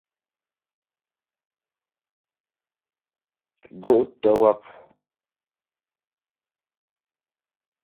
Gó' tə́ wáp.